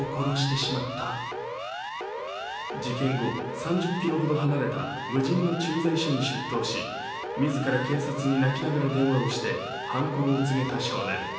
事件後３０ｋｍほど離れた無人の駐在所に出頭し、みずから警察に泣きながら電話をして、犯行を告げた少年。